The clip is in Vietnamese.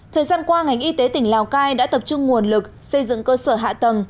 thời gian qua ngành y tế tỉnh lào cai đã tập trung nguồn lực xây dựng cơ sở hạ tầng